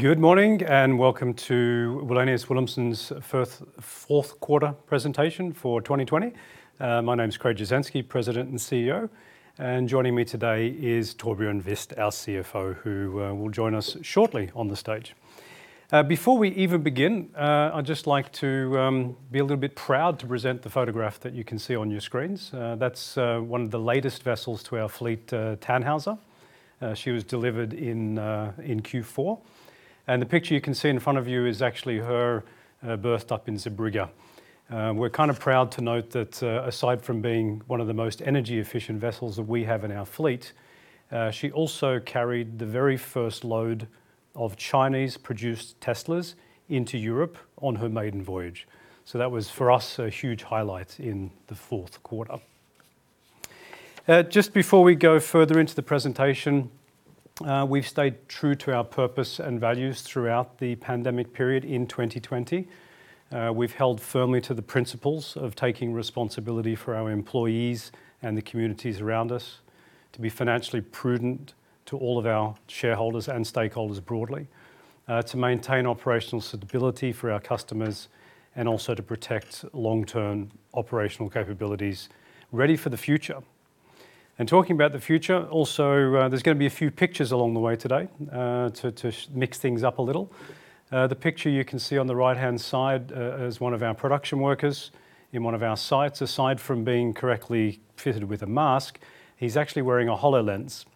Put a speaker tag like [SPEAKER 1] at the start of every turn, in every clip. [SPEAKER 1] Good morning, welcome to Wallenius Wilhelmsen's fourth quarter presentation for 2020. My name is Craig Jasienski, President and CEO, and joining me today is Torbjørn Wist, our CFO, who will join us shortly on the stage. Before we even begin, I'd just like to be a little bit proud to present the photograph that you can see on your screens. That's one of the latest vessels to our fleet, Tannhauser. She was delivered in Q4. The picture you can see in front of you is actually her berthed up in Zeebrugge. We're kind of proud to note that aside from being one of the most energy-efficient vessels that we have in our fleet, she also carried the very first load of Chinese-produced Teslas into Europe on her maiden voyage. That was, for us, a huge highlight in the fourth quarter. Just before we go further into the presentation, we've stayed true to our purpose and values throughout the pandemic period in 2020. We've held firmly to the principles of taking responsibility for our employees and the communities around us, to be financially prudent to all of our shareholders and stakeholders broadly, to maintain operational stability for our customers, and also to protect long-term operational capabilities, ready for the future. Talking about the future, also, there's going to be a few pictures along the way today to mix things up a little. The picture you can see on the right-hand side is one of our production workers in one of our sites. Aside from being correctly fitted with a mask, he's actually wearing a HoloLens.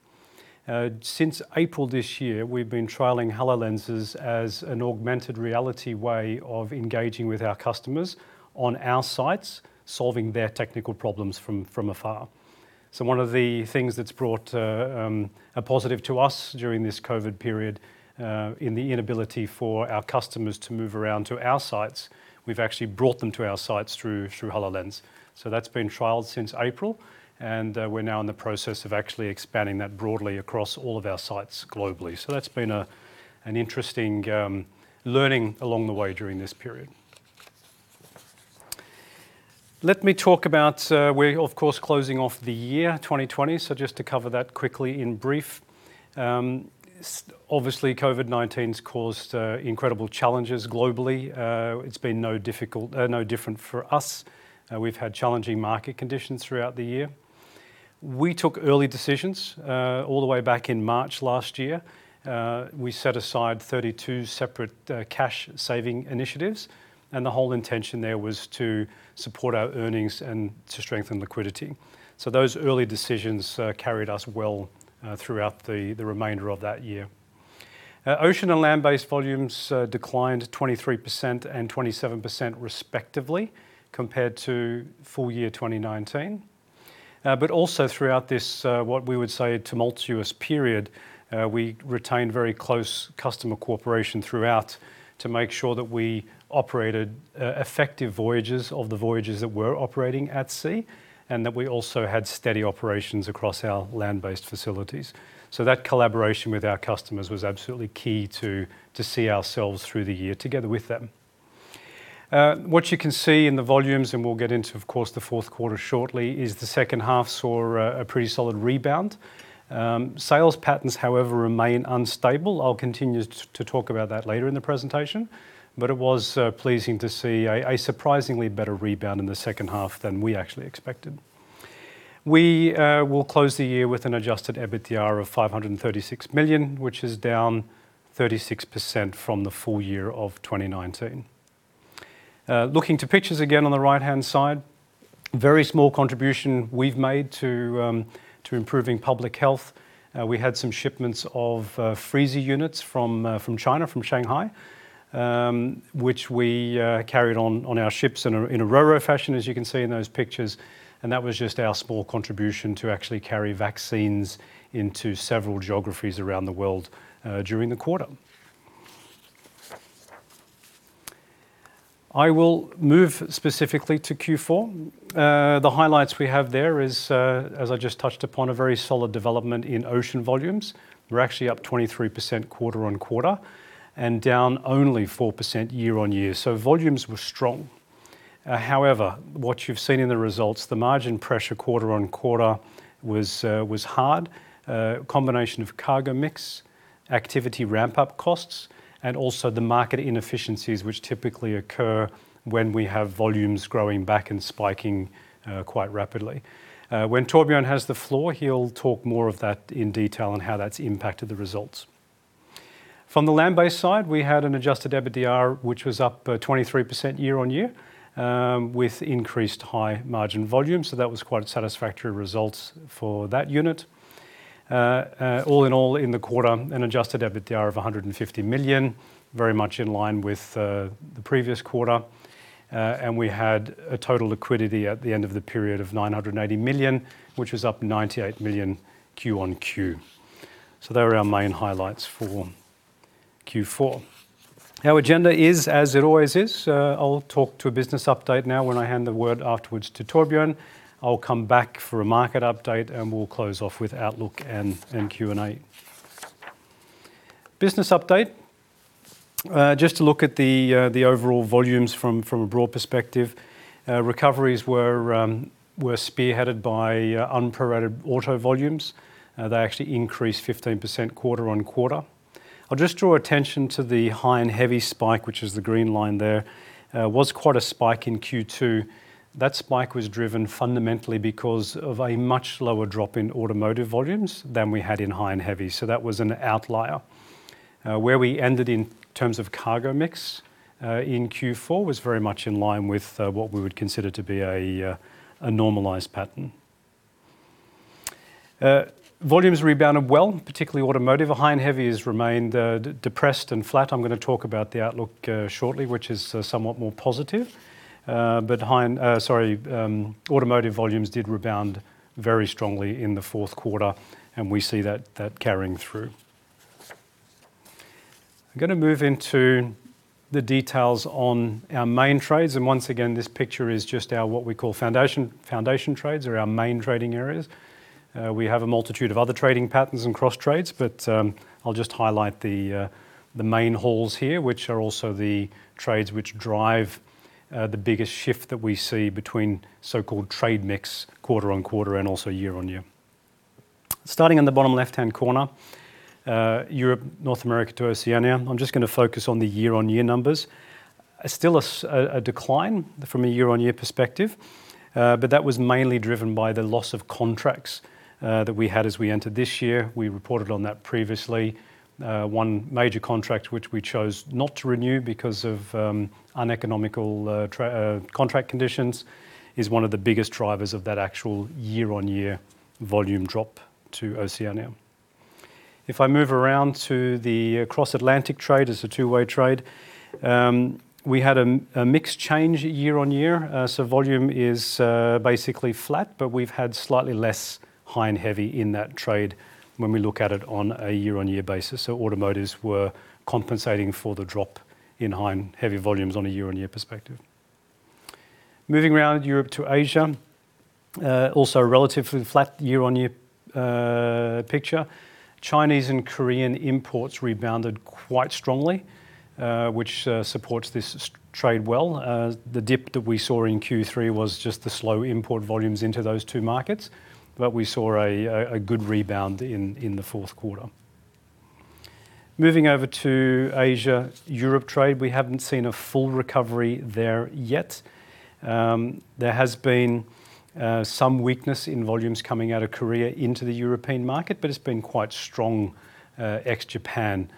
[SPEAKER 1] Since April this year, we've been trialing HoloLens as an augmented reality way of engaging with our customers on our sites, solving their technical problems from afar. One of the things that's brought a positive to us during this COVID-19 period, in the inability for our customers to move around to our sites, we've actually brought them to our sites through HoloLens. That's been trialed since April, and we're now in the process of actually expanding that broadly across all of our sites globally. That's been an interesting learning along the way during this period. Let me talk about, we're, of course, closing off the year 2020, so just to cover that quickly in brief. Obviously, COVID-19's caused incredible challenges globally. It's been no different for us. We've had challenging market conditions throughout the year. We took early decisions all the way back in March last year. We set aside 32 separate cash-saving initiatives, and the whole intention there was to support our earnings and to strengthen liquidity. Those early decisions carried us well throughout the remainder of that year. Ocean and land-based volumes declined 23% and 27% respectively compared to full year 2019. Also throughout this, what we would say, tumultuous period, we retained very close customer cooperation throughout to make sure that we operated effective voyages of the voyages that were operating at sea, and that we also had steady operations across our land-based facilities. That collaboration with our customers was absolutely key to see ourselves through the year together with them. What you can see in the volumes, and we'll get into, of course, the fourth quarter shortly, is the second half saw a pretty solid rebound. Sales patterns, however, remain unstable. I'll continue to talk about that later in the presentation. It was pleasing to see a surprisingly better rebound in the second half than we actually expected. We will close the year with an adjusted EBITDA of $536 million, which is down 36% from the full year of 2019. Looking to pictures again on the right-hand side, very small contribution we've made to improving public health. We had some shipments of freezer units from China, from Shanghai, which we carried on our ships in a Ro-Ro fashion, as you can see in those pictures. That was just our small contribution to actually carry vaccines into several geographies around the world during the quarter. I will move specifically to Q4. The highlights we have there is, as I just touched upon, a very solid development in ocean volumes. We're actually up 23% quarter-on-quarter and down only 4% year-on-year. Volumes were strong. However, what you've seen in the results, the margin pressure quarter-on-quarter was hard. A combination of cargo mix, activity ramp-up costs, and also the market inefficiencies which typically occur when we have volumes growing back and spiking quite rapidly. When Torbjørn has the floor, he'll talk more of that in detail on how that's impacted the results. From the land-based side, we had an adjusted EBITDA, which was up 23% year-on-year with increased high margin volume. That was quite satisfactory results for that unit. All in all, in the quarter, an adjusted EBITDA of $150 million, very much in line with the previous quarter. We had a total liquidity at the end of the period of $980 million, which was up $98 million Q-on-Q. They were our main highlights for Q4. Our agenda is as it always is. I'll talk to a business update now when I hand the word afterwards to Torbjørn. I'll come back for a market update, and we'll close off with outlook and Q&A. Business update. Just to look at the overall volumes from a broad perspective. Recoveries were spearheaded by unprorated auto volumes. They actually increased 15% quarter-on-quarter. I'll just draw attention to the high and heavy spike, which is the green line there. It was quite a spike in Q2. That spike was driven fundamentally because of a much lower drop in automotive volumes than we had in high and heavy. That was an outlier. Where we ended in terms of cargo mix in Q4 was very much in line with what we would consider to be a normalized pattern. Volumes rebounded well, particularly automotive. High and heavy has remained depressed and flat. I'm going to talk about the outlook shortly, which is somewhat more positive. Automotive volumes did rebound very strongly in the fourth quarter, and we see that carrying through. I'm going to move into the details on our main trades. Once again, this picture is just our what we call foundation trades or our main trading areas. We have a multitude of other trading patterns and cross trades, but I'll just highlight the main hauls here, which are also the trades which drive the biggest shift that we see between so-called trade mix quarter-on-quarter and also year-on-year. Starting in the bottom left-hand corner, Europe, North America to Oceania. I'm just going to focus on the year-on-year numbers. Still a decline from a year-on-year perspective. That was mainly driven by the loss of contracts that we had as we entered this year. We reported on that previously. One major contract, which we chose not to renew because of uneconomical contract conditions, is one of the biggest drivers of that actual year-on-year volume drop to Oceania. If I move around to the cross-Atlantic trade, it's a two-way trade. We have a mix change year-on-year so volume is basically flat, but we've had slightly less high and heavy in that trade when we look at it on a year-on-year basis. Automotives were compensating for the drop in high and heavy volumes on a year-on-year perspective. Moving around Europe to Asia, also relatively flat year-on-year picture. Chinese and Korean imports rebounded quite strongly, which supports this trade well. The dip that we saw in Q3 was just the slow import volumes into those two markets. We saw a good rebound in the fourth quarter. Moving over to Asia-Europe trade, we haven't seen a full recovery there yet. There has been some weakness in volumes coming out of Korea into the European market, but it has been quite strong ex-Japan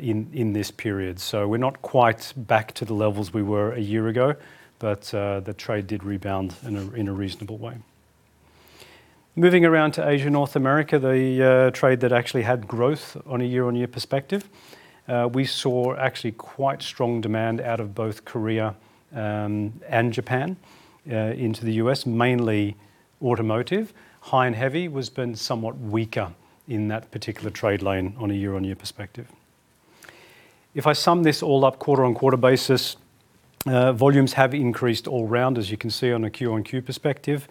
[SPEAKER 1] in this period. We're not quite back to the levels we were a year ago, but the trade did rebound in a reasonable way. Moving around to Asia, North America, the trade that actually had growth on a year-on-year perspective. We saw actually quite strong demand out of both Korea and Japan into the U.S., mainly automotive. High and heavy has been somewhat weaker in that particular trade lane on a year-on-year perspective. If I sum this all up quarter-on-quarter basis, volumes have increased all round, as you can see on a Q-on-Q perspective.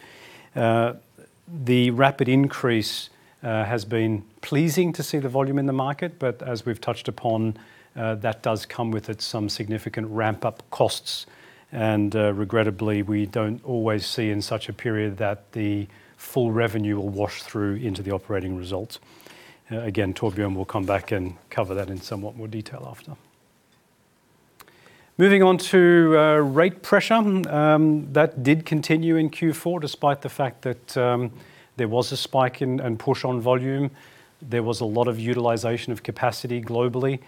[SPEAKER 1] The rapid increase has been pleasing to see the volume in the market, but as we've touched upon, that does come with it some significant ramp-up costs. Regrettably, we don't always see in such a period that the full revenue will wash through into the operating results. Again, Torbjørn will come back and cover that in somewhat more detail after. Moving on to rate pressure. That did continue in Q4, despite the fact that there was a spike in and push on volume. There was a lot of utilization of capacity globally.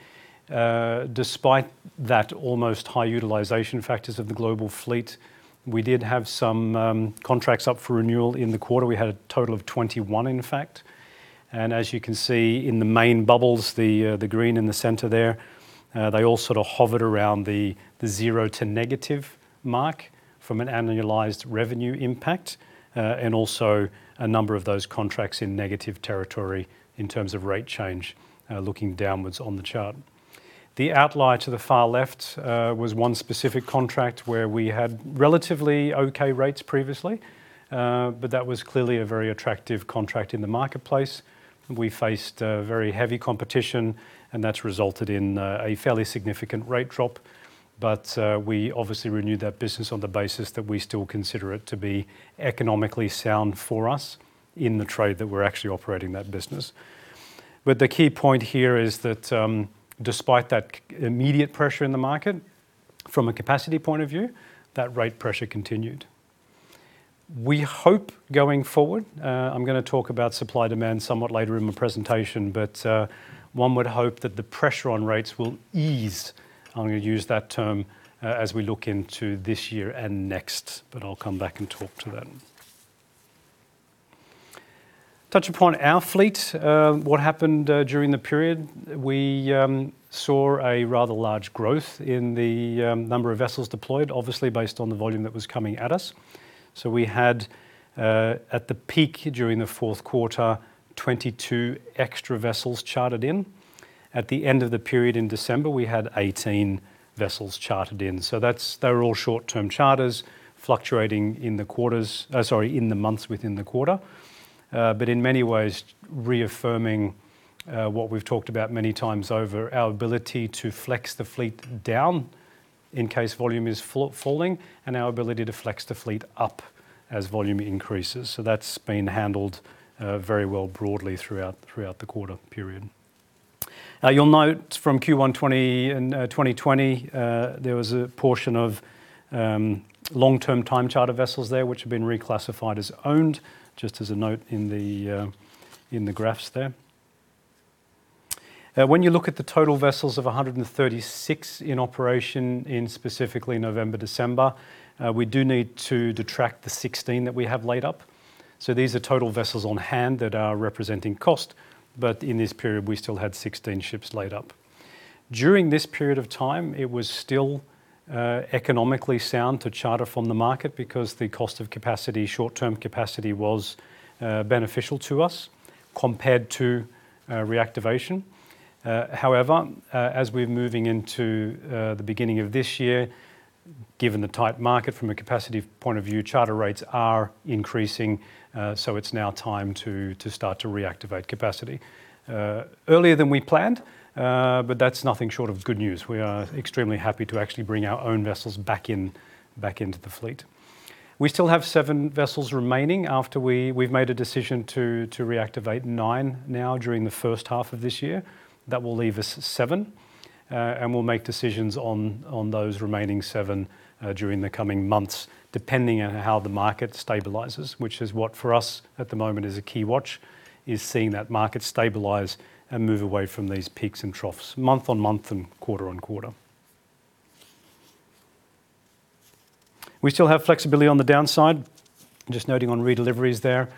[SPEAKER 1] Despite that almost high utilization factors of the global fleet, we did have some contracts up for renewal in the quarter. We had a total of 21, in fact. As you can see in the main bubbles, the green in the center there, they all sort of hovered around the zero to negative mark from an annualized revenue impact. Also a number of those contracts in negative territory in terms of rate change, looking downwards on the chart. The outlier to the far left was one specific contract where we had relatively okay rates previously. That was clearly a very attractive contract in the marketplace. We faced very heavy competition, and that's resulted in a fairly significant rate drop. We obviously renewed that business on the basis that we still consider it to be economically sound for us in the trade that we're actually operating that business. The key point here is that despite that immediate pressure in the market, from a capacity point of view, that rate pressure continued. We hope going forward, I'm going to talk about supply-demand somewhat later in my presentation, but one would hope that the pressure on rates will ease. I'm going to use that term as we look into this year and next, but I'll come back and talk to that. Touch upon our fleet. What happened during the period, we saw a rather large growth in the number of vessels deployed, obviously based on the volume that was coming at us. We had, at the peak during the fourth quarter, 22 extra vessels chartered in. At the end of the period in December, we had 18 vessels chartered in. They were all short-term charters fluctuating in the months within the quarter. In many ways, reaffirming what we've talked about many times over, our ability to flex the fleet down in case volume is falling and our ability to flex the fleet up as volume increases. That's been handled very well broadly throughout the quarter period. You'll note from Q1 2020, there was a portion of long-term time charter vessels there, which have been reclassified as owned, just as a note in the graphs there. When you look at the total vessels of 136 in operation in specifically November, December, we do need to detract the 16 that we have laid up. These are total vessels on hand that are representing cost, but in this period, we still had 16 ships laid up. During this period of time, it was still economically sound to charter from the market because the cost of short-term capacity was beneficial to us compared to reactivation. As we're moving into the beginning of this year, given the tight market from a capacity point of view, charter rates are increasing, so it's now time to start to reactivate capacity. Earlier than we planned, that's nothing short of good news. We are extremely happy to actually bring our own vessels back into the fleet. We still have seven vessels remaining after we've made a decision to reactivate nine now during the first half of this year. That will leave us seven. We'll make decisions on those remaining seven during the coming months, depending on how the market stabilizes, which is what, for us at the moment, is a key watch, is seeing that market stabilize and move away from these peaks and troughs month on month and quarter-on-quarter. We still have flexibility on the downside. Just noting on redeliveries there.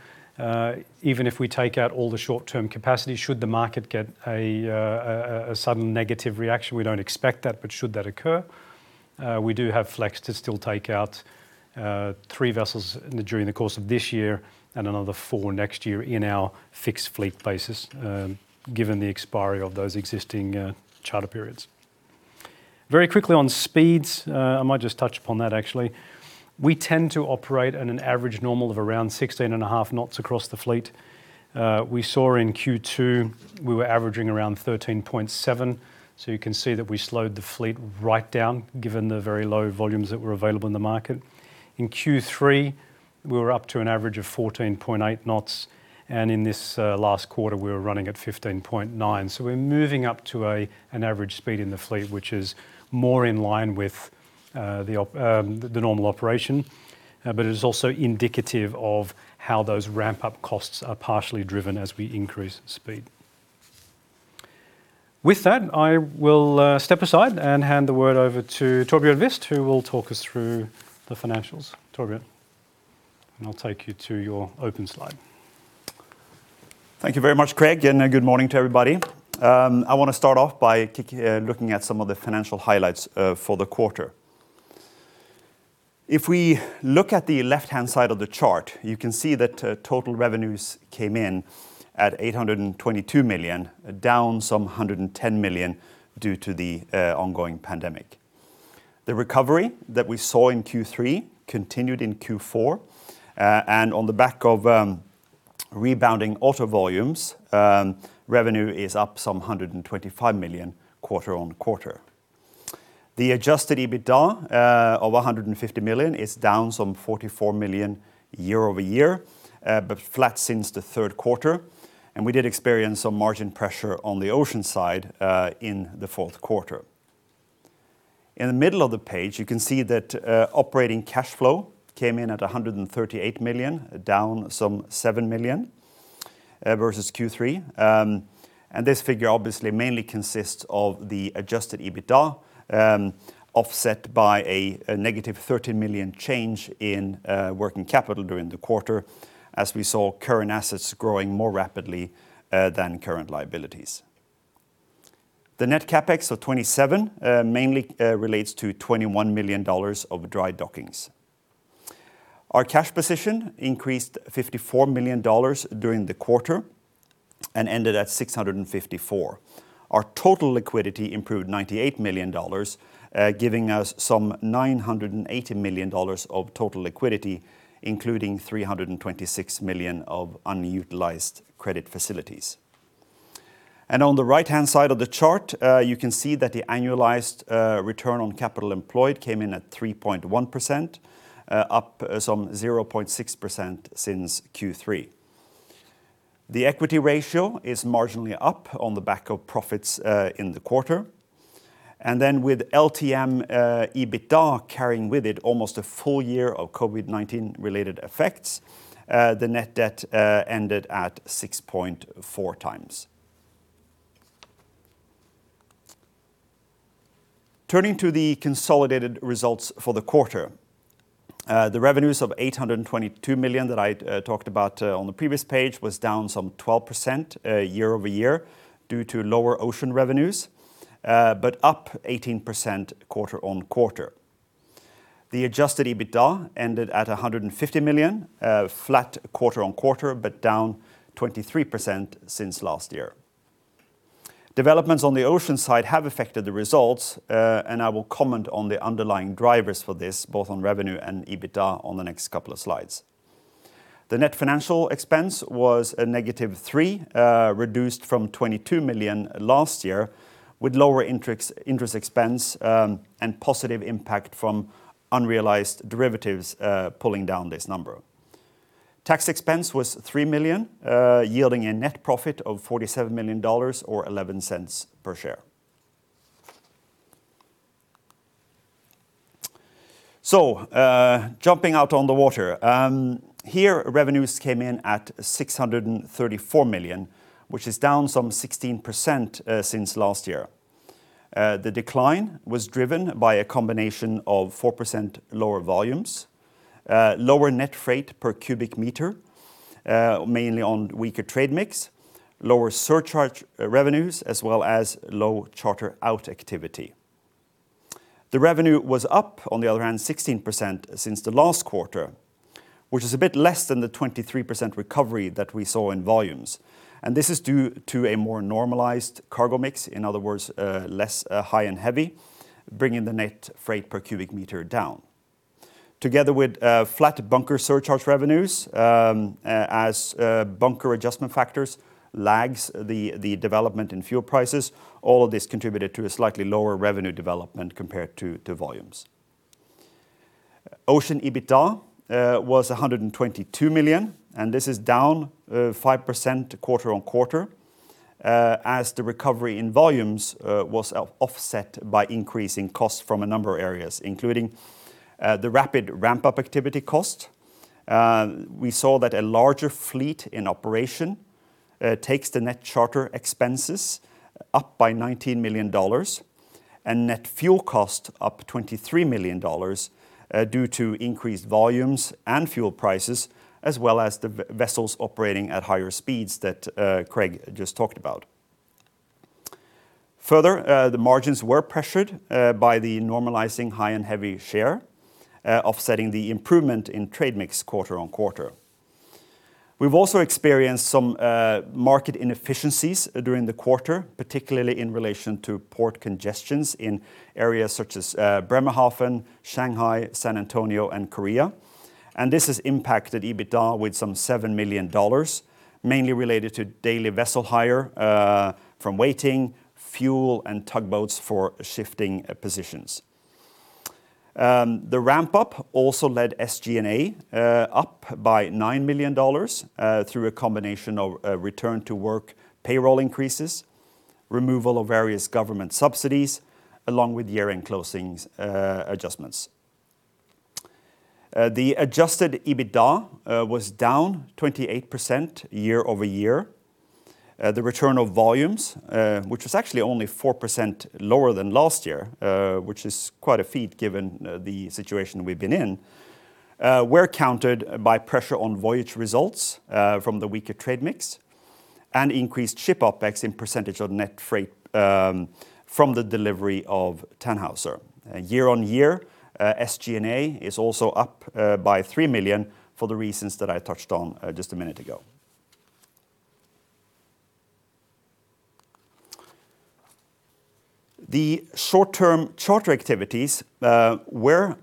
[SPEAKER 1] Even if we take out all the short-term capacity, should the market get a sudden negative reaction, we don't expect that. Should that occur, we do have flex to still take out three vessels during the course of this year and another four next year in our fixed fleet basis, given the expiry of those existing charter periods. Very quickly on speeds, I might just touch upon that, actually. We tend to operate at an average normal of around 16.5 knots across the fleet. We saw in Q2, we were averaging around 13.7, so you can see that we slowed the fleet right down, given the very low volumes that were available in the market. In Q3, we were up to an average of 14.8 knots, and in this last quarter, we were running at 15.9. We're moving up to an average speed in the fleet, which is more in line with the normal operation. It is also indicative of how those ramp-up costs are partially driven as we increase speed. With that, I will step aside and hand the word over to Torbjørn Wist, who will talk us through the financials. Torbjørn, I'll take you to your open slide.
[SPEAKER 2] Thank you very much, Craig. Good morning to everybody. I want to start off by looking at some of the financial highlights for the quarter. If we look at the left-hand side of the chart, you can see that total revenues came in at $822 million, down some $110 million due to the ongoing pandemic. The recovery that we saw in Q3 continued in Q4. On the back of rebounding auto volumes, revenue is up some $125 million quarter-on-quarter. The adjusted EBITDA of $150 million is down some $44 million year-over-year, but flat since the third quarter. We did experience some margin pressure on the ocean side in the fourth quarter. In the middle of the page, you can see that operating cash flow came in at $138 million, down some $7 million versus Q3. This figure obviously mainly consists of the adjusted EBITDA, offset by a -$13 million change in working capital during the quarter, as we saw current assets growing more rapidly than current liabilities. The net CapEx of $27 million mainly relates to $21 million of dry dockings. Our cash position increased $54 million during the quarter and ended at $654 million. Our total liquidity improved $98 million, giving us some $980 million of total liquidity, including $326 million of unutilized credit facilities. On the right-hand side of the chart, you can see that the annualized return on capital employed came in at 3.1%, up some 0.6% since Q3. The equity ratio is marginally up on the back of profits in the quarter. With LTM EBITDA carrying with it almost a full year of COVID-19 related effects, the net debt ended at 6.4x. Turning to the consolidated results for the quarter. The revenues of $822 million that I talked about on the previous page was down some 12% year-over-year due to lower ocean revenues, but up 18% quarter-on-quarter. The adjusted EBITDA ended at $150 million, flat quarter-on-quarter, but down 23% since last year. Developments on the ocean side have affected the results, and I will comment on the underlying drivers for this, both on revenue and EBITDA on the next couple of slides. The net financial expense was a -$3, reduced from $22 million last year, with lower interest expense and positive impact from unrealized derivatives pulling down this number. Tax expense was $3 million, yielding a net profit of $47 million, or $0.11 per share. Jumping out on the water. Here, revenues came in at $634 million, which is down some 16% since last year. The decline was driven by a combination of 4% lower volumes, lower net freight per cubic meter, mainly on weaker trade mix, lower surcharge revenues, as well as low charter-out activity. The revenue was up, on the other hand, 16% since the last quarter, which is a bit less than the 23% recovery that we saw in volumes. This is due to a more normalized cargo mix, in other words, less high and heavy, bringing the net freight per cubic meter down. Together with flat bunker surcharge revenues, as bunker adjustment factors lags the development in fuel prices, all of this contributed to a slightly lower revenue development compared to volumes. Ocean EBITDA was $122 million. This is down 5% quarter-on-quarter, as the recovery in volumes was offset by increasing costs from a number of areas, including the rapid ramp-up activity cost. We saw that a larger fleet in operation takes the net charter expenses up by $19 million and net fuel cost up $23 million due to increased volumes and fuel prices, as well as the vessels operating at higher speeds that Craig just talked about. Further, the margins were pressured by the normalizing high-and-heavy share, offsetting the improvement in trade mix quarter-on-quarter. We've also experienced some market inefficiencies during the quarter, particularly in relation to port congestions in areas such as Bremerhaven, Shanghai, San Antonio, and Korea. This has impacted EBITDA with some $7 million, mainly related to daily vessel hire from waiting, fuel, and tugboats for shifting positions. The ramp-up also led SG&A up by $9 million through a combination of return-to-work payroll increases, removal of various government subsidies, along with year-end closing adjustments. The adjusted EBITDA was down 28% year-over-year. The return of volumes, which was actually only 4% lower than last year, which is quite a feat given the situation we've been in, were countered by pressure on voyage results from the weaker trade mix and increased ship OpEx in percentage of net freight from the delivery of Tannhauser. Year-on-year, SG&A is also up by $3 million for the reasons that I touched on just a minute ago. The short-term charter activities were higher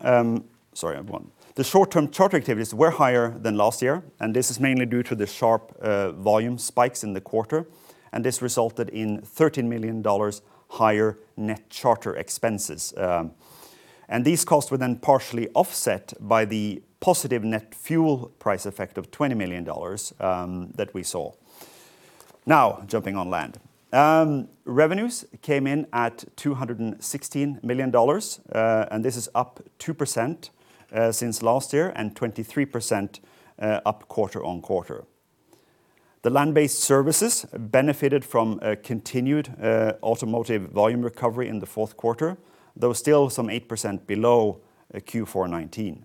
[SPEAKER 2] than last year, and this is mainly due to the sharp volume spikes in the quarter, and this resulted in $13 million higher net charter expenses. These costs were then partially offset by the positive net fuel price effect of $20 million that we saw. Jumping on land. Revenues came in at $216 million, this is up 2% since last year and 23% up quarter-on-quarter. The land-based services benefited from a continued automotive volume recovery in the fourth quarter, though still some 8% below Q4 2019.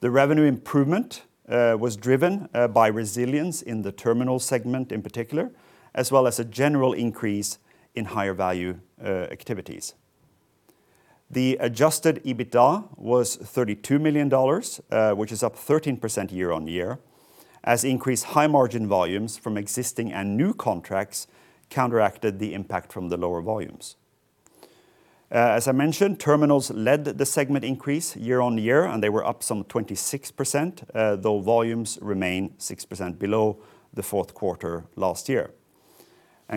[SPEAKER 2] The revenue improvement was driven by resilience in the terminal segment in particular, as well as a general increase in higher-value activities. The adjusted EBITDA was $32 million, which is up 13% year-on-year, as increased high-margin volumes from existing and new contracts counteracted the impact from the lower volumes. As I mentioned, terminals led the segment increase year-on-year, they were up some 26%, though volumes remain 6% below the fourth quarter last year.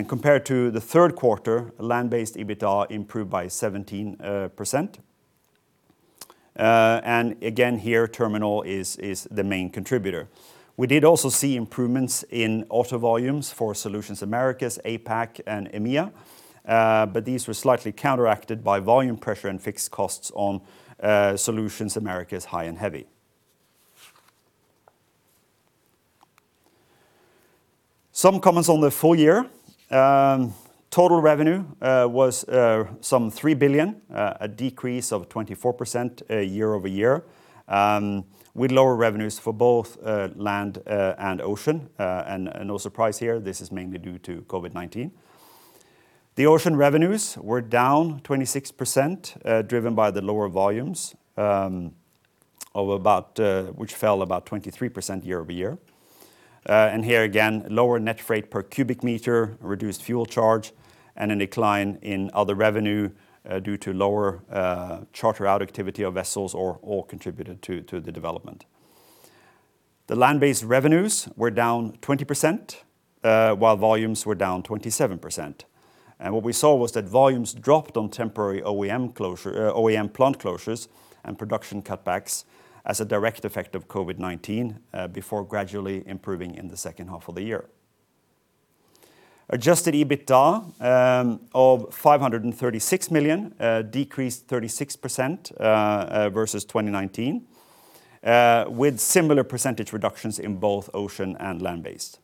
[SPEAKER 2] Compared to the third quarter, land-based EBITDA improved by 17%. Again, here, terminal is the main contributor. We did also see improvements in auto volumes for Solutions Americas, APAC, and EMEA, but these were slightly counteracted by volume pressure and fixed costs on Solutions Americas high and heavy. Some comments on the full year. Total revenue was some $3 billion, a decrease of 24% year-over-year, with lower revenues for both land and ocean. No surprise here, this is mainly due to COVID-19. The ocean revenues were down 26%, driven by the lower volumes, which fell about 23% year-over-year. Here again, lower net freight per cubic meter, reduced fuel charge, and a decline in other revenue due to lower charter out activity of vessels all contributed to the development. The land-based revenues were down 20%, while volumes were down 27%. What we saw was that volumes dropped on temporary OEM plant closures and production cutbacks as a direct effect of COVID-19, before gradually improving in the second half of the year. Adjusted EBITDA of $536 million, decreased 36% versus 2019, with similar percentage reductions in both ocean and land-based.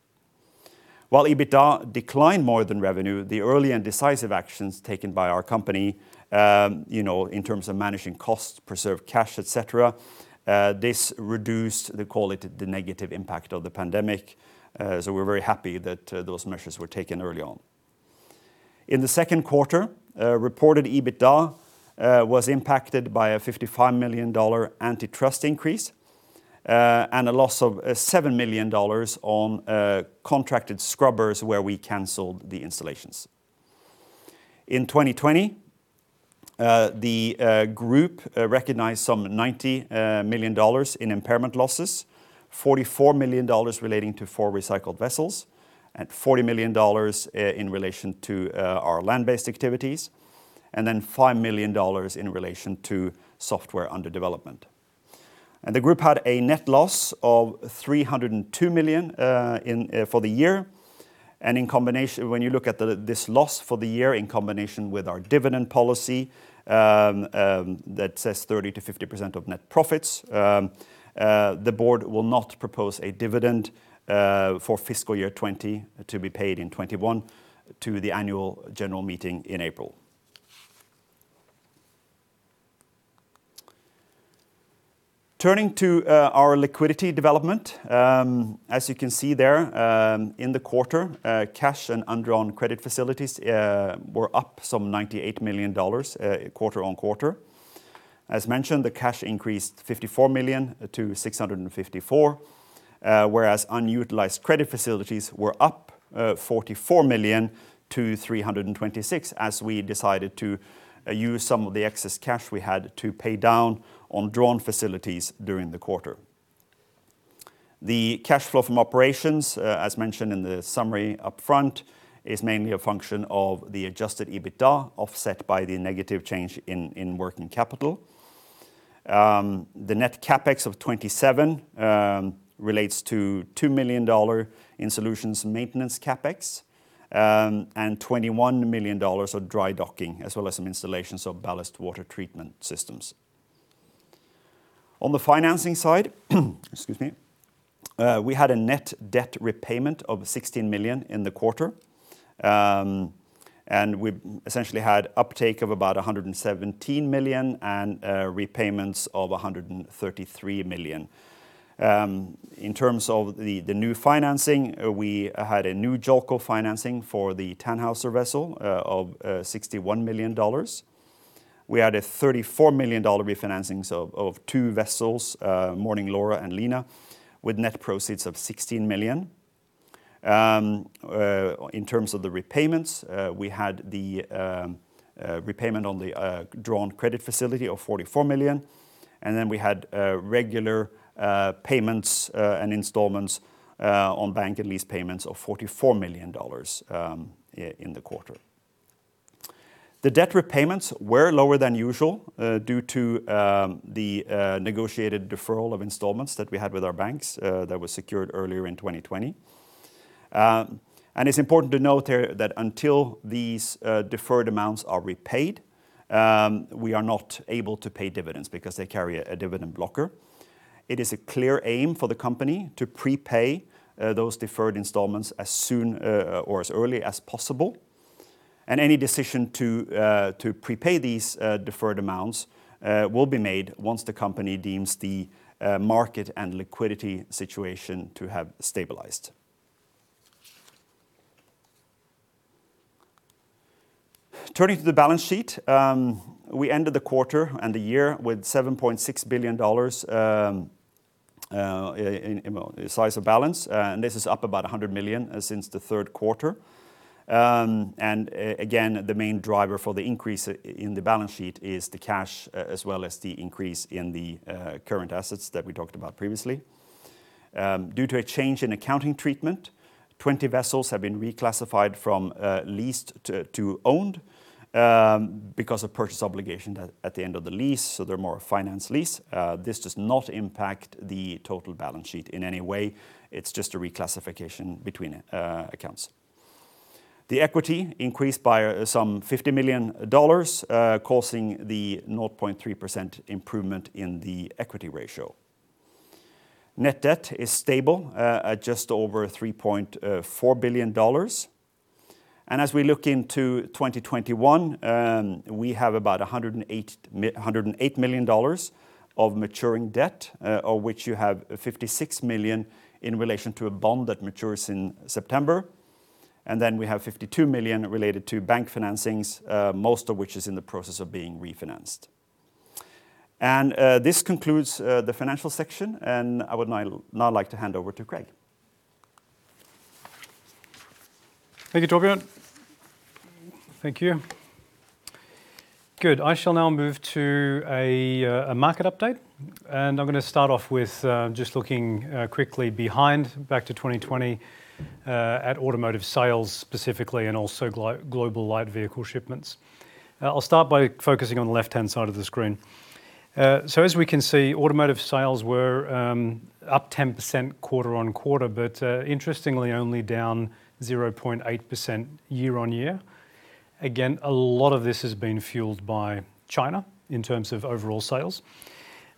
[SPEAKER 2] While EBITDA declined more than revenue, the early and decisive actions taken by our company, in terms of managing costs, preserve cash, et cetera, this reduced, call it, the negative impact of the pandemic. We're very happy that those measures were taken early on. In the second quarter, reported EBITDA was impacted by a $55 million antitrust increase and a loss of $7 million on contracted scrubbers where we canceled the installations. In 2020, the group recognized some $90 million in impairment losses, $44 million relating to four recycled vessels, and $40 million in relation to our land-based activities, then $5 million in relation to software under development. The group had a net loss of $302 million for the year. When you look at this loss for the year in combination with our dividend policy that says 30%-50% of net profits, the board will not propose a dividend for fiscal year 2020 to be paid in 2021 to the annual general meeting in April. Turning to our liquidity development, as you can see there, in the quarter, cash and undrawn credit facilities were up some $98 million quarter-on-quarter. As mentioned, the cash increased $54 million-$654 million, whereas unutilized credit facilities were up $44 million-$326 million, as we decided to use some of the excess cash we had to pay down on drawn facilities during the quarter. The cash flow from operations, as mentioned in the summary upfront, is mainly a function of the adjusted EBITDA offset by the negative change in working capital. The net CapEx of $27 million relates to $2 million in Solutions maintenance CapEx, and $21 million of dry docking, as well as some installations of ballast water treatment systems. On the financing side excuse me, we had a net debt repayment of $16 million in the quarter. We essentially had uptake of about $117 million and repayments of $133 million. In terms of the new financing, we had a new JOLCO financing for the Tannhauser vessel of $61 million. We had a $34 million refinancing of two vessels, Morning Laura and Lena, with net proceeds of $16 million. In terms of the repayments, we had the repayment on the drawn credit facility of $44 million, and then we had regular payments and installments on bank and lease payments of $44 million in the quarter. The debt repayments were lower than usual due to the negotiated deferral of installments that we had with our banks that was secured earlier in 2020. It's important to note here that until these deferred amounts are repaid, we are not able to pay dividends because they carry a dividend blocker. It is a clear aim for the company to prepay those deferred installments as soon or as early as possible, and any decision to prepay these deferred amounts will be made once the company deems the market and liquidity situation to have stabilized. Turning to the balance sheet, we ended the quarter and the year with $7.6 billion in size of balance. This is up about $100 million since the third quarter. Again, the main driver for the increase in the balance sheet is the cash, as well as the increase in the current assets that we talked about previously. Due to a change in accounting treatment, 20 vessels have been reclassified from leased to owned, because of purchase obligation at the end of the lease, so they're more finance lease. This does not impact the total balance sheet in any way. It's just a reclassification between accounts. The equity increased by some $50 million, causing the 0.3% improvement in the equity ratio. Net debt is stable at just over $3.4 billion. As we look into 2021, we have about $108 million of maturing debt, of which you have $56 million in relation to a bond that matures in September. Then we have $52 million related to bank financings, most of which is in the process of being refinanced. This concludes the financial section, and I would now like to hand over to Craig.
[SPEAKER 1] Thank you, Torbjørn. Thank you. Good. I shall now move to a market update, and I'm going to start off with just looking quickly behind, back to 2020, at automotive sales specifically and also global light vehicle shipments. I'll start by focusing on the left-hand side of the screen. As we can see, automotive sales were up 10% quarter-over-quarter, but interestingly, only down 0.8% year-over-year. Again, a lot of this has been fueled by China in terms of overall sales.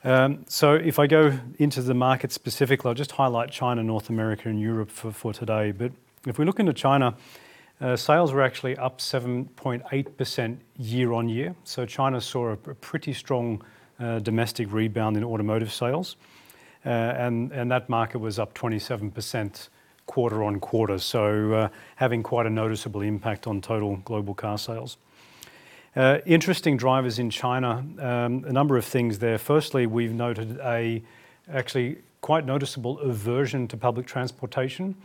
[SPEAKER 1] If I go into the market specifically, I'll just highlight China, North America, and Europe for today. If we look into China, sales were actually up 7.8% year-over-year. China saw a pretty strong domestic rebound in automotive sales. That market was up 27% quarter-over-quarter, so having quite a noticeable impact on total global car sales. Interesting drivers in China, a number of things there. Firstly, we've noted a actually quite noticeable aversion to public transportation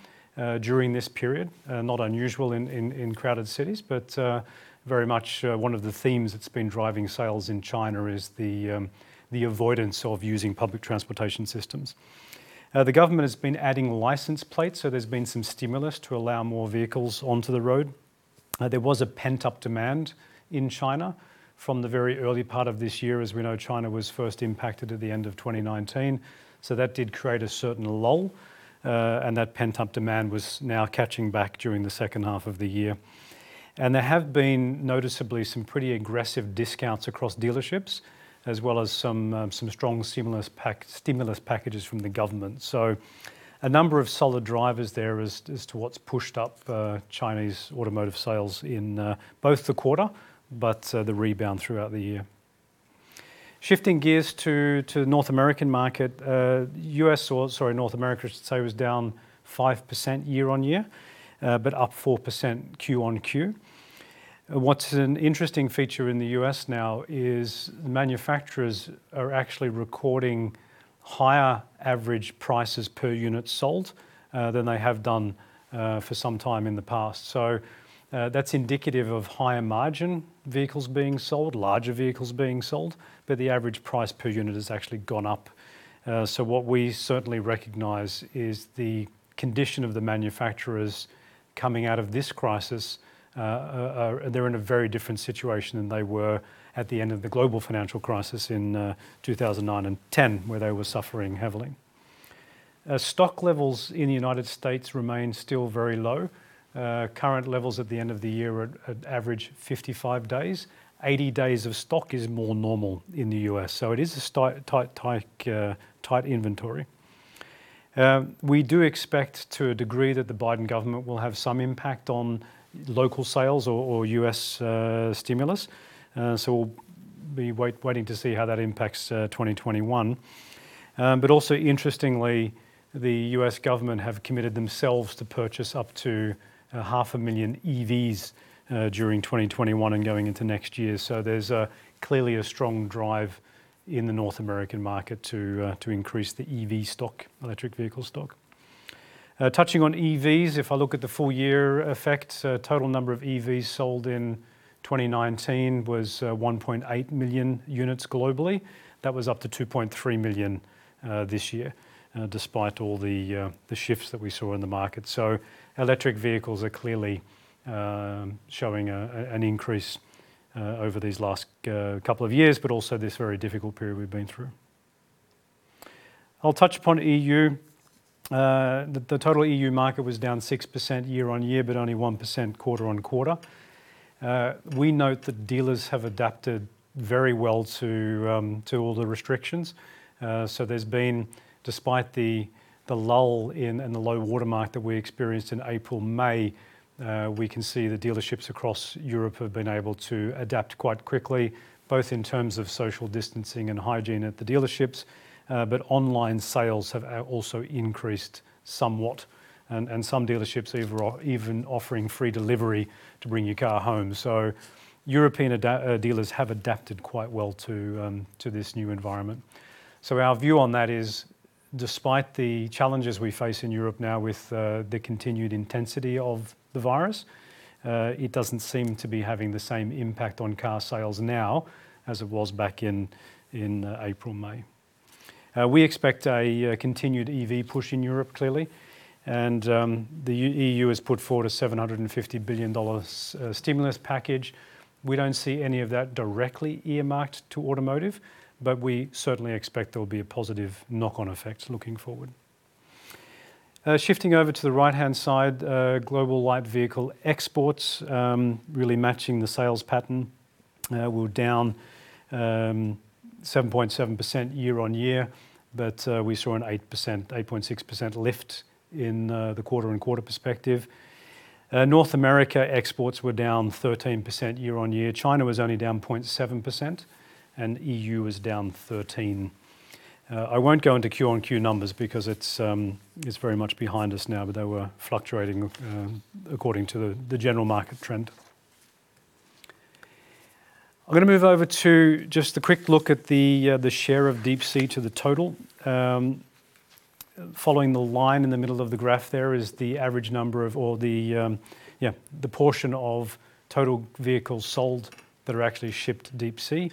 [SPEAKER 1] during this period. Very much one of the themes that's been driving sales in China is the avoidance of using public transportation systems. The government has been adding license plates, there's been some stimulus to allow more vehicles onto the road. There was a pent-up demand in China from the very early part of this year. As we know, China was first impacted at the end of 2019. That did create a certain lull, and that pent-up demand was now catching back during the second half of the year. There have been noticeably some pretty aggressive discounts across dealerships, as well as some strong stimulus packages from the government. A number of solid drivers there as to what's pushed up Chinese automotive sales in both the quarter, but the rebound throughout the year. Shifting gears to the North American market. North America, I should say, was down 5% year-on-year, but up 4% Q-on-Q. What's an interesting feature in the U.S. now is manufacturers are actually recording higher average prices per unit sold than they have done for some time in the past. That's indicative of higher margin vehicles being sold, larger vehicles being sold. The average price per unit has actually gone up. What we certainly recognize is the condition of the manufacturers coming out of this crisis. They're in a very different situation than they were at the end of the global financial crisis in 2009 and 2010, where they were suffering heavily. Stock levels in the United States remain still very low. Current levels at the end of the year average 55 days. 80 days of stock is more normal in the U.S. It is a tight inventory. We do expect, to a degree, that the Biden government will have some impact on local sales or U.S. stimulus. We'll be waiting to see how that impacts 2021. Also interestingly, the U.S. Government have committed themselves to purchase up to half a million EVs during 2021 and going into next year. There's clearly a strong drive in the North American market to increase the EV stock, electric vehicle stock. Touching on EVs, if I look at the full year effect, total number of EVs sold in 2019 was 1.8 million units globally. That was up to 2.3 million this year, despite all the shifts that we saw in the market. Electric vehicles are clearly showing an increase over these last couple of years, but also this very difficult period we've been through. I'll touch upon EU. The total EU market was down 6% year-on-year, but only 1% quarter-on-quarter. We note that dealers have adapted very well to all the restrictions. There's been, despite the lull and the low water mark that we experienced in April/May, we can see the dealerships across Europe have been able to adapt quite quickly, both in terms of social distancing and hygiene at the dealerships. Online sales have also increased somewhat, and some dealerships even offering free delivery to bring your car home. European dealers have adapted quite well to this new environment. Our view on that is, despite the challenges we face in Europe now with the continued intensity of the virus, it doesn't seem to be having the same impact on car sales now as it was back in April/May. We expect a continued EV push in Europe, clearly, and the EU has put forward a $750 billion stimulus package. We don't see any of that directly earmarked to automotive, but we certainly expect there will be a positive knock-on effect looking forward. Shifting over to the right-hand side, global light vehicle exports really matching the sales pattern, were down 7.7% year-on-year. We saw an 8.6% lift in the quarter-on-quarter perspective. North America exports were down 13% year-on-year. China was only down 0.7%, and EU was down 13%. I won't go into Q-on-Q numbers because it's very much behind us now. They were fluctuating according to the general market trend. I'm going to move over to just a quick look at the share of Deepsea to the total. Following the line in the middle of the graph there is the average number of all the portion of total vehicles sold that are actually shipped Deepsea.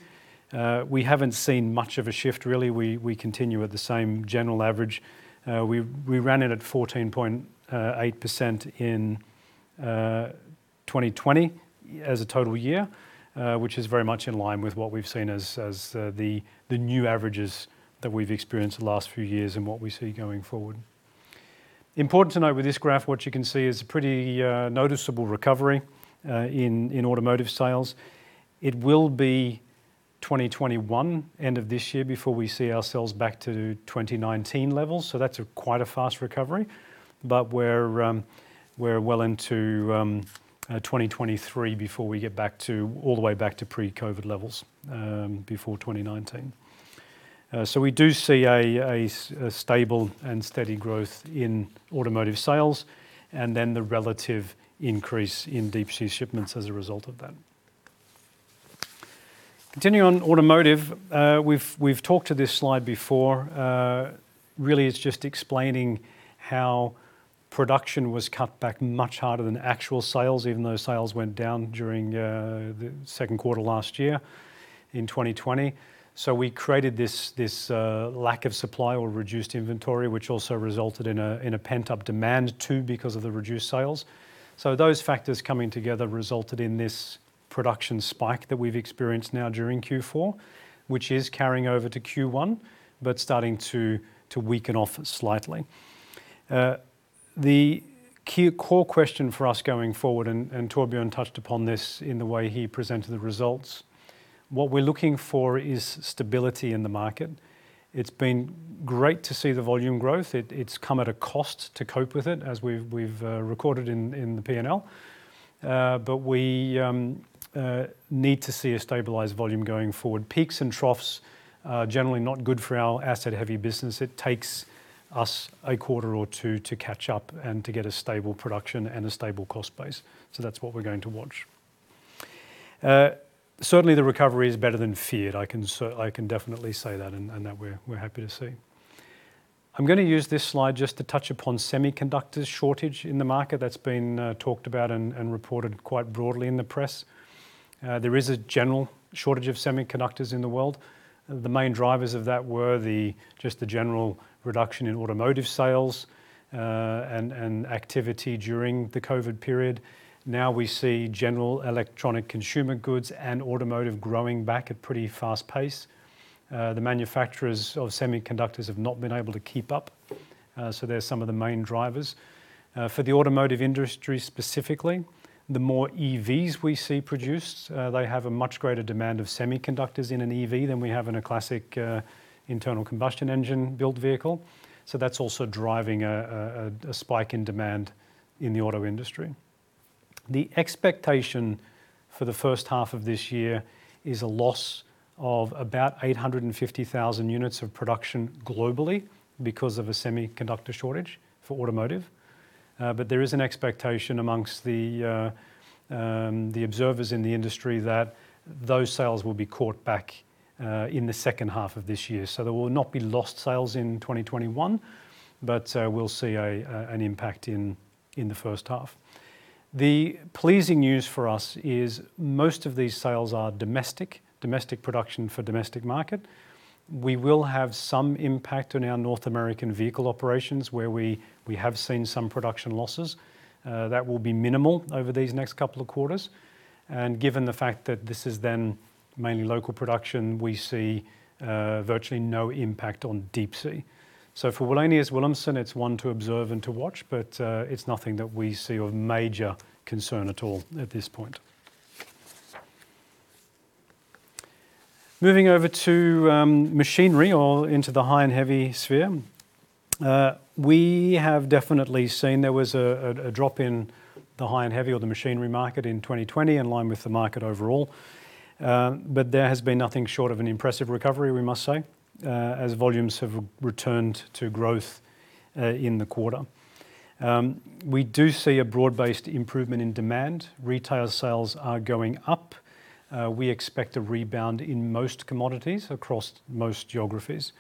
[SPEAKER 1] We haven't seen much of a shift, really. We continue at the same general average. We ran it at 14.8% in 2020 as a total year, which is very much in line with what we've seen as the new averages that we've experienced the last few years and what we see going forward. Important to note with this graph, what you can see is a pretty noticeable recovery in automotive sales. It will be 2021, end of this year, before we see ourselves back to 2019 levels, so that's quite a fast recovery. We're well into 2023 before we get back to all the way back to pre-COVID levels, before 2019. We do see a stable and steady growth in automotive sales and then the relative increase in Deepsea shipments as a result of that. Continuing on automotive, we've talked to this slide before. Really, it's just explaining how production was cut back much harder than actual sales, even though sales went down during the second quarter last year in 2020. We created this lack of supply or reduced inventory, which also resulted in a pent-up demand, too, because of the reduced sales. Those factors coming together resulted in this production spike that we've experienced now during Q4, which is carrying over to Q1, but starting to weaken off slightly. The core question for us going forward, and Torbjørn touched upon this in the way he presented the results, what we're looking for is stability in the market. It's been great to see the volume growth. It's come at a cost to cope with it, as we've recorded in the P&L. We need to see a stabilized volume going forward. Peaks and troughs are generally not good for our asset-heavy business. It takes us a quarter or two to catch up and to get a stable production and a stable cost base. That's what we're going to watch. Certainly, the recovery is better than feared. I can definitely say that, and that we're happy to see. I'm going to use this slide just to touch upon semiconductor shortage in the market. That's been talked about and reported quite broadly in the press. There is a general shortage of semiconductors in the world. The main drivers of that were just the general reduction in automotive sales and activity during the COVID period. We see general electronic consumer goods and automotive growing back at pretty fast pace. The manufacturers of semiconductors have not been able to keep up. They're some of the main drivers. For the automotive industry specifically, the more EVs we see produced, they have a much greater demand of semiconductors in an EV than we have in a classic internal combustion engine-built vehicle. That's also driving a spike in demand in the auto industry. The expectation for the first half of this year is a loss of about 850,000 units of production globally because of a semiconductor shortage for automotive. There is an expectation amongst the observers in the industry that those sales will be caught back in the second half of this year. There will not be lost sales in 2021, but we'll see an impact in the first half. The pleasing news for us is most of these sales are domestic production for domestic market. We will have some impact on our North American vehicle operations where we have seen some production losses. That will be minimal over these next couple of quarters. Given the fact that this is then mainly local production, we see virtually no impact on Deepsea. For Wallenius Wilhelmsen, it's one to observe and to watch, but it's nothing that we see of major concern at all at this point. Moving over to machinery or into the high and heavy sphere. We have definitely seen there was a drop in the high and heavy or the machinery market in 2020 in line with market overall. There has been nothing short of an impressive recovery, we must say, as volumes have returned to growth in the quarter. We do see a broad-based improvement in demand. Retail sales are going up. We expect a rebound in most commodities across most geographies.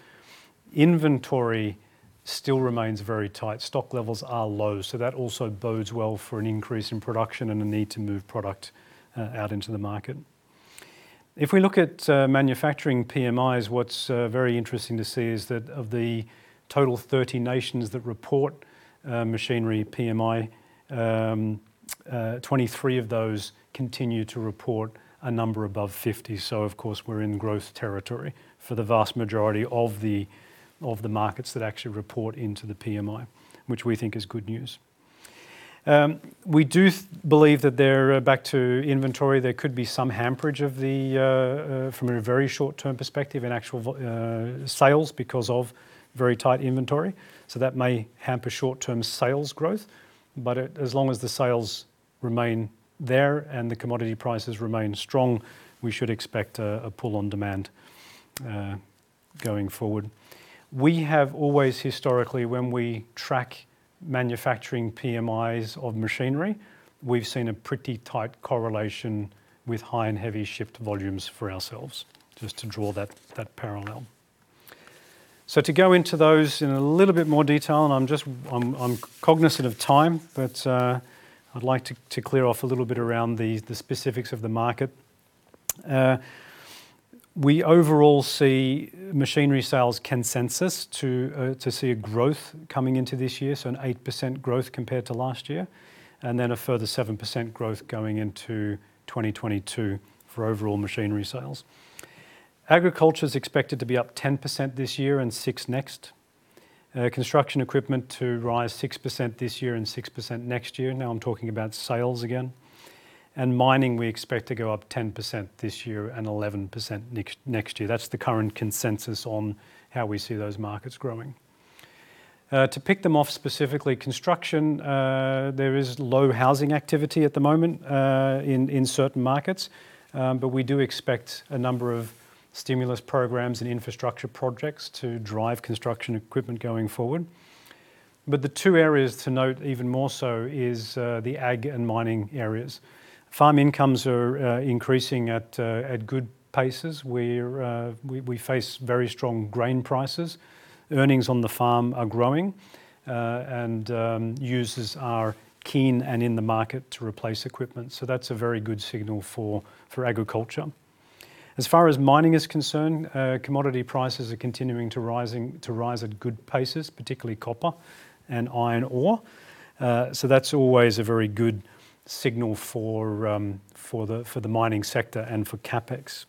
[SPEAKER 1] Inventory still remains very tight. Stock levels are low, so that also bodes well for an increase in production and a need to move product out into the market. If we look at manufacturing PMIs, what's very interesting to see is that of the total 30 nations that report machinery PMI, 23 of those continue to report a number above 50. Of course, we're in growth territory for the vast majority of the markets that actually report into the PMI, which we think is good news. We do believe that there, back to inventory, there could be some hamperage from a very short-term perspective in actual sales because of very tight inventory. That may hamper short-term sales growth. As long as the sales remain there and the commodity prices remain strong, we should expect a pull on demand going forward. We have always historically, when we track manufacturing PMIs of machinery, we've seen a pretty tight correlation with high and heavy shift volumes for ourselves, just to draw that parallel. To go into those in a little bit more detail, and I'm cognizant of time, but I'd like to clear off a little bit around the specifics of the market. We overall see machinery sales consensus to see a growth coming into this year, so an 8% growth compared to last year, and then a further 7% growth going into 2022 for overall machinery sales. Agriculture's expected to be up 10% this year and 6% next. Construction equipment to rise 6% this year and 6% next year. Now I'm talking about sales again. Mining, we expect to go up 10% this year and 11% next year. That's the current consensus on how we see those markets growing. To pick them off specifically, construction, there is low housing activity at the moment in certain markets, but we do expect a number of stimulus programs and infrastructure projects to drive construction equipment going forward. The two areas to note even more so is the ag and mining areas. Farm incomes are increasing at good paces. We face very strong grain prices. Earnings on the farm are growing, and users are keen and in the market to replace equipment. That's a very good signal for agriculture. As far as mining is concerned, commodity prices are continuing to rise at good paces, particularly copper and iron ore. That's always a very good signal for the mining sector and for CapEx.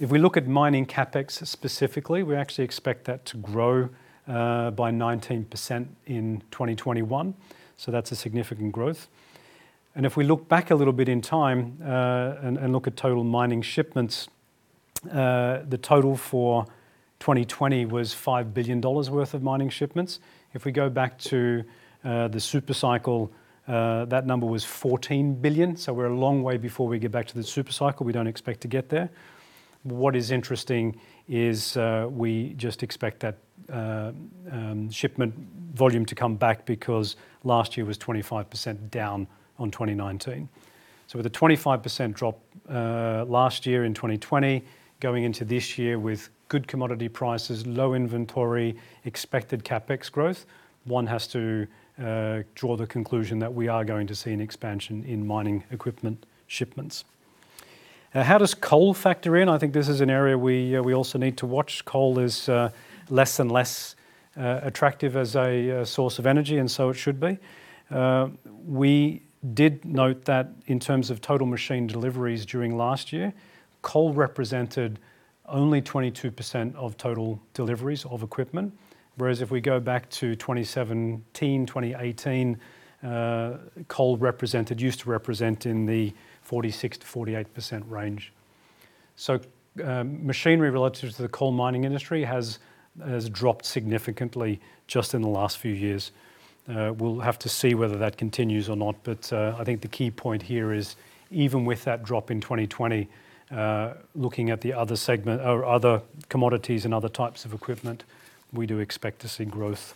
[SPEAKER 1] If we look at mining CapEx specifically, we actually expect that to grow by 19% in 2021. That's a significant growth. If we look back a little bit in time and look at total mining shipments, the total for 2020 was $5 billion worth of mining shipments. If we go back to the super cycle, that number was $14 billion, so we're a long way before we get back to the super cycle. We don't expect to get there. What is interesting is we just expect that shipment volume to come back because last year was 25% down on 2019. With a 25% drop last year in 2020, going into this year with good commodity prices, low inventory, expected CapEx growth, one has to draw the conclusion that we are going to see an expansion in mining equipment shipments. How does coal factor in? I think this is an area we also need to watch. Coal is less and less attractive as a source of energy, and so it should be. We did note that in terms of total machine deliveries during last year, coal represented only 22% of total deliveries of equipment, whereas if we go back to 2017, 2018, coal used to represent in the 46%-48% range. Machinery relative to the coal mining industry has dropped significantly just in the last few years. We'll have to see whether that continues or not, but I think the key point here is even with that drop in 2020, looking at the other segment or other commodities and other types of equipment, we do expect to see growth.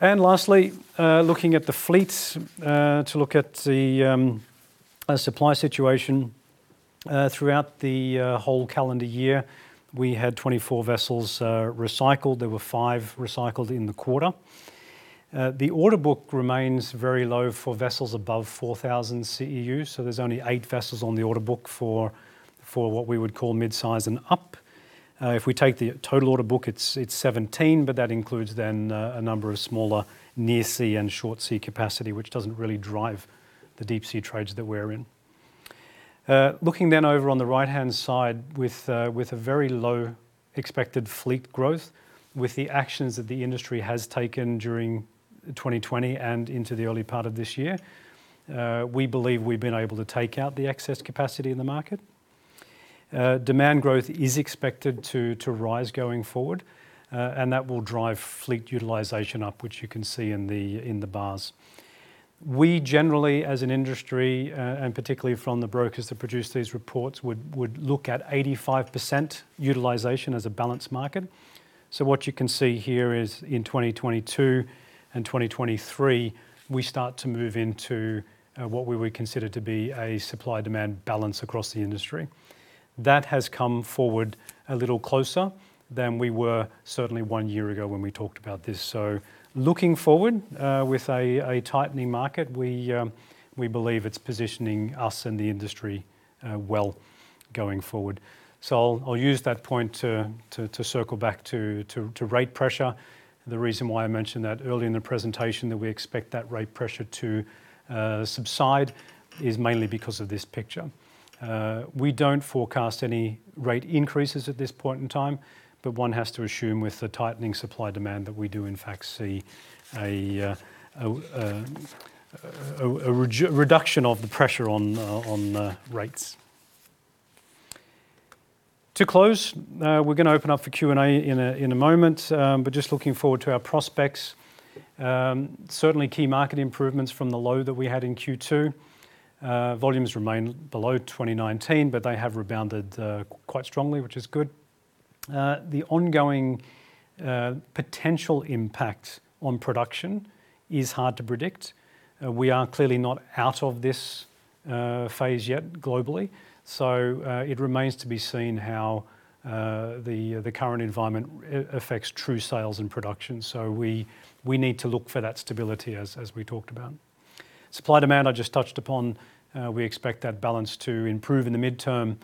[SPEAKER 1] Lastly, looking at the fleets, to look at the supply situation. Throughout the whole calendar year, we had 24 vessels recycled. There were five recycled in the quarter. The order book remains very low for vessels above 4,000 CEU, so there's only eight vessels on the order book for what we would call mid-size and up. If we take the total order book, it's 17, but that includes then a number of smaller near sea and short sea capacity, which doesn't really drive the Deepsea trades that we're in. Looking over on the right-hand side with a very low expected fleet growth with the actions that the industry has taken during 2020 and into the early part of this year, we believe we've been able to take out the excess capacity in the market. Demand growth is expected to rise going forward, and that will drive fleet utilization up, which you can see in the bars. We generally, as an industry, and particularly from the brokers that produce these reports, would look at 85% utilization as a balanced market. What you can see here is in 2022 and 2023, we start to move into what we would consider to be a supply-demand balance across the industry. That has come forward a little closer than we were certainly one year ago when we talked about this. Looking forward with a tightening market, we believe it's positioning us and the industry well going forward. I'll use that point to circle back to rate pressure. The reason why I mentioned that earlier in the presentation that we expect that rate pressure to subside is mainly because of this picture. We don't forecast any rate increases at this point in time, but one has to assume with the tightening supply demand that we do in fact see a reduction of the pressure on rates. To close, we're going to open up for Q&A in a moment, but just looking forward to our prospects. Certainly, key market improvements from the low that we had in Q2. Volumes remain below 2019, but they have rebounded quite strongly, which is good. The ongoing potential impact on production is hard to predict. We are clearly not out of this phase yet globally. It remains to be seen how the current environment affects true sales and production. We need to look for that stability as we talked about. Supply-demand, I just touched upon. We expect that balance to improve in the midterm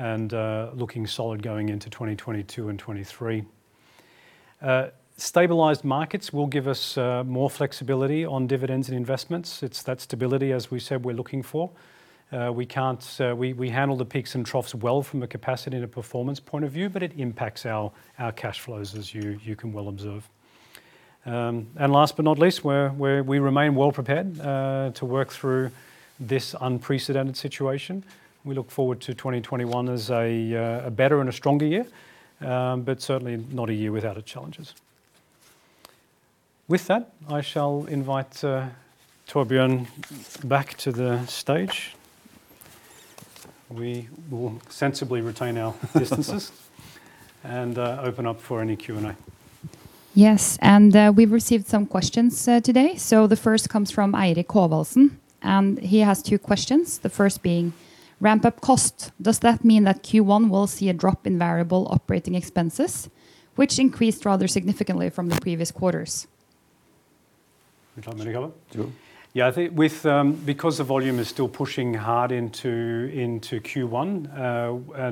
[SPEAKER 1] and looking solid going into 2022 and 2023. Stabilized markets will give us more flexibility on dividends and investments. It's that stability, as we said, we're looking for. We handle the peaks and troughs well from a capacity to performance point of view, but it impacts our cash flows as you can well observe. Last but not least, we remain well-prepared to work through this unprecedented situation. We look forward to 2021 as a better and a stronger year, but certainly not a year without its challenges. With that, I shall invite Torbjørn back to the stage. We will sensibly retain our distances and open up for any Q&A.
[SPEAKER 3] Yes, we've received some questions today. The first comes from Eirik Haavaldsen, and he has two questions, the first being ramp-up cost. Does that mean that Q1 will see a drop in variable operating expenses, which increased rather significantly from the previous quarters?
[SPEAKER 1] You want me to cover?
[SPEAKER 2] Sure.
[SPEAKER 1] Yeah. I think because the volume is still pushing hard into Q1,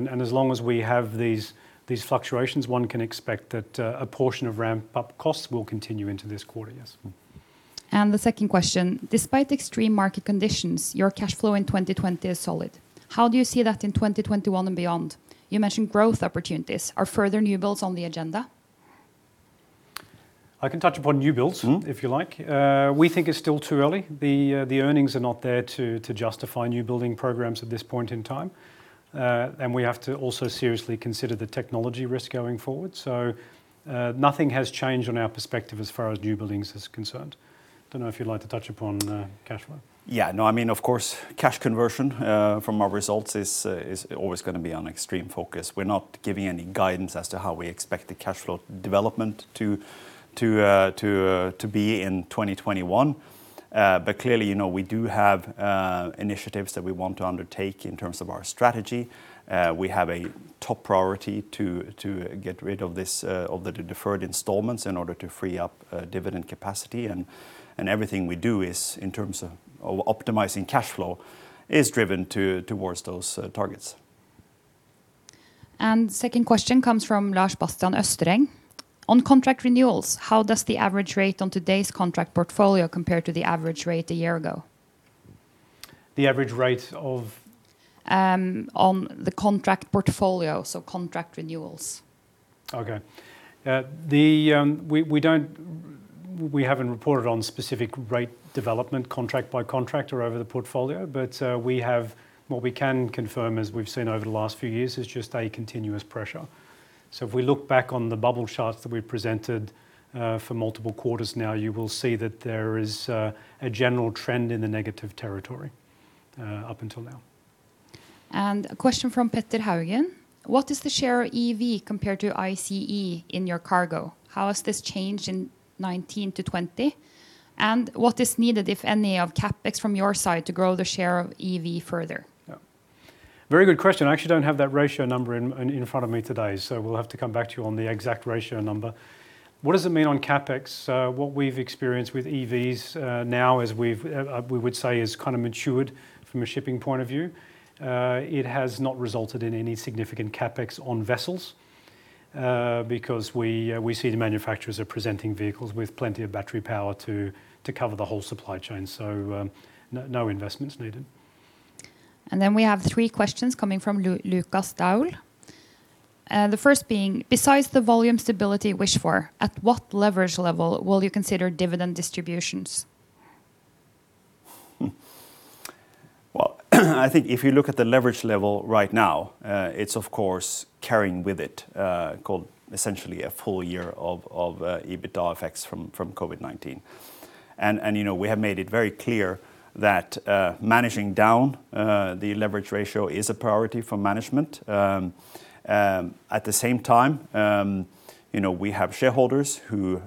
[SPEAKER 1] and as long as we have these fluctuations, one can expect that a portion of ramp-up costs will continue into this quarter. Yes.
[SPEAKER 3] The second question. Despite extreme market conditions, your cash flow in 2020 is solid. How do you see that in 2021 and beyond? You mentioned growth opportunities. Are further new builds on the agenda?
[SPEAKER 1] I can touch upon new builds, if you like. We think it's still too early. The earnings are not there to justify new building programs at this point in time. We have to also seriously consider the technology risk going forward. Nothing has changed on our perspective as far as new buildings is concerned. Don't know if you'd like to touch upon cash flow.
[SPEAKER 2] Yeah, no, of course, cash conversion from our results is always going to be on extreme focus. We're not giving any guidance as to how we expect the cash flow development to be in 2021. Clearly, we do have initiatives that we want to undertake in terms of our strategy. We have a top priority to get rid of the deferred installments in order to free up dividend capacity, and everything we do is in terms of optimizing cash flow is driven towards those targets.
[SPEAKER 3] Second question comes from Lars Bastian Ostereng. On contract renewals, how does the average rate on today's contract portfolio compare to the average rate a year ago?
[SPEAKER 2] The average rate of?
[SPEAKER 3] On the contract portfolio, so contract renewals.
[SPEAKER 1] Okay. We haven't reported on specific rate development contract by contract or over the portfolio, but what we can confirm as we've seen over the last few years is just a continuous pressure. If we look back on the bubble charts that we presented for multiple quarters now, you will see that there is a general trend in the negative territory up until now.
[SPEAKER 3] A question from Petter Haugen. What is the share of EV compared to ICE in your cargo? How has this changed in 2019 to 2020? What is needed, if any, of CapEx from your side to grow the share of EV further?
[SPEAKER 1] Very good question. I actually don't have that ratio number in front of me today, so we'll have to come back to you on the exact ratio number. What does it mean on CapEx? What we've experienced with EVs now is we would say is kind of matured from a shipping point of view. It has not resulted in any significant CapEx on vessels, because we see the manufacturers are presenting vehicles with plenty of battery power to cover the whole supply chain. No investments needed.
[SPEAKER 3] Then we have three questions coming from Lukas Daul. The first being, besides the volume stability wished for, at what leverage level will you consider dividend distributions?
[SPEAKER 2] Well, I think if you look at the leverage level right now, it's of course carrying with it, called essentially a full year of EBITDA effects from COVID-19. We have made it very clear that managing down the leverage ratio is a priority for management. At the same time, we have shareholders who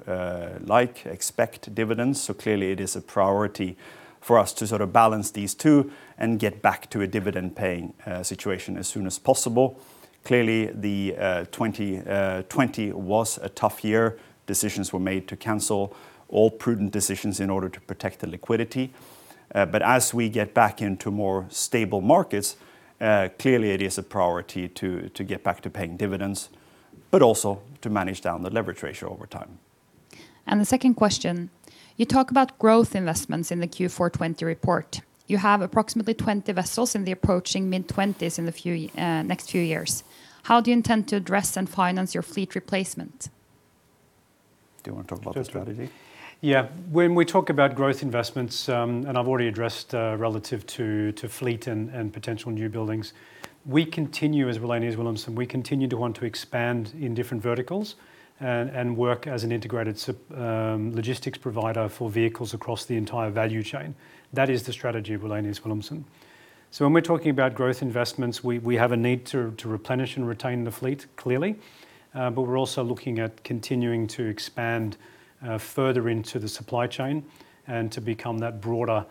[SPEAKER 2] like, expect dividends, clearly it is a priority for us to sort of balance these two and get back to a dividend-paying situation as soon as possible. Clearly, 2020 was a tough year. Decisions were made to cancel all prudent decisions in order to protect the liquidity. As we get back into more stable markets, clearly it is a priority to get back to paying dividends, but also to manage down the leverage ratio over time.
[SPEAKER 3] The second question. You talk about growth investments in the Q4 2020 report. You have approximately 20 vessels in the approaching mid-2020s in the next few years. How do you intend to address and finance your fleet replacement?
[SPEAKER 2] Do you want to talk about the strategy?
[SPEAKER 1] Yeah. When we talk about growth investments, I've already addressed relative to fleet and potential new buildings. We continue as Wallenius Wilhelmsen, we continue to want to expand in different verticals and work as an integrated logistics provider for vehicles across the entire value chain. That is the strategy of Wallenius Wilhelmsen. When we're talking about growth investments, we have a need to replenish and retain the fleet, clearly. We're also looking at continuing to expand further into the supply chain and to become that broader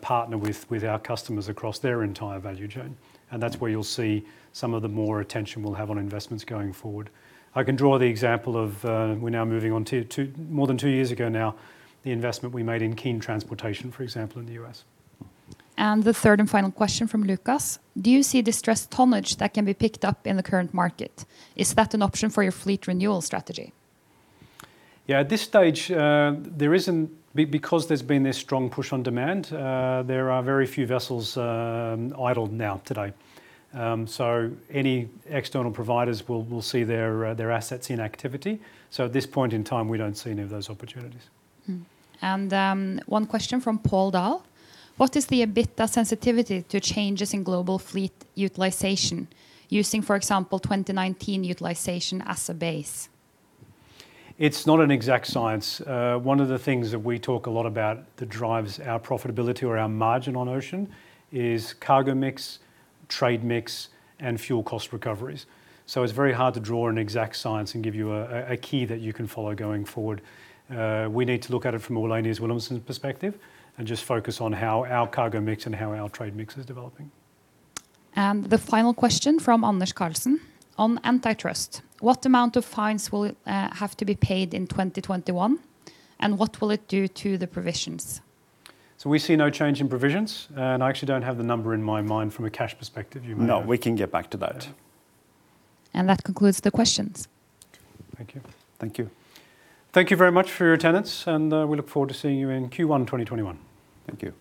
[SPEAKER 1] partner with our customers across their entire value chain. That's where you'll see some of the more attention we'll have on investments going forward. I can draw the example of, we're now moving on to more than two years ago now, the investment we made in Keen Transport, for example, in the U.S.
[SPEAKER 3] The third and final question from Lukas: do you see distressed tonnage that can be picked up in the current market? Is that an option for your fleet renewal strategy?
[SPEAKER 1] At this stage, because there's been this strong push on demand, there are very few vessels idled now today. Any external providers will see their assets in activity. At this point in time, we don't see any of those opportunities.
[SPEAKER 3] One question from Paul Dahl. What is the EBITDA sensitivity to changes in global fleet utilization using, for example, 2019 utilization as a base?
[SPEAKER 1] It's not an exact science. One of the things that we talk a lot about that drives our profitability or our margin on ocean is cargo mix, trade mix, and fuel cost recoveries. It's very hard to draw an exact science and give you a key that you can follow going forward. We need to look at it from Wallenius Wilhelmsen's perspective and just focus on how our cargo mix and how our trade mix is developing.
[SPEAKER 3] The final question from Anders Karlsen. On antitrust, what amount of fines will have to be paid in 2021, and what will it do to the provisions?
[SPEAKER 1] We see no change in provisions. I actually don't have the number in my mind from a cash perspective. You may have.
[SPEAKER 2] No, we can get back to that.
[SPEAKER 3] That concludes the questions.
[SPEAKER 1] Thank you.
[SPEAKER 2] Thank you.
[SPEAKER 1] Thank you very much for your attendance. We look forward to seeing you in Q1 2021.
[SPEAKER 2] Thank you.